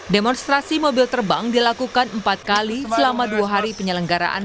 demonstrasi mobil terbang dilakukan empat kali selama dua hari penyelenggaraan